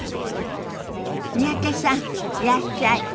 三宅さんいらっしゃい。